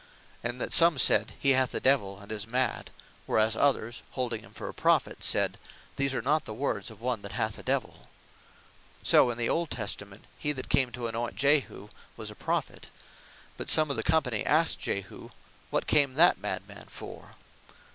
And that (John 10. 20.) some said, "He hath a Divell, and is mad;" whereas others holding him for a Prophet, sayd, "These are not the words of one that hath a Divell." So in the old Testament he that came to anoynt Jehu, (2 Kings 9.11.) was a Prophet; but some of the company asked Jehu, "What came that mad man for?"